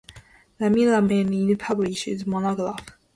Ramirez mainly publishes monographs.